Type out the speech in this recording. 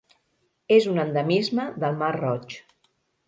És un endemisme del Mar Roig.